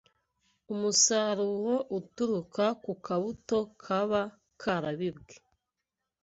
Umusaruro uturuka ku kabuto kaba karabibwe